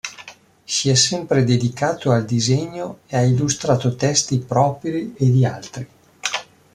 Si è sempre dedicato al disegno e ha illustrato testi propri e di altri.